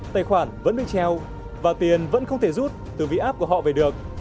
tài khoản vẫn bị treo và tiền vẫn không thể rút từ vị app của họ về được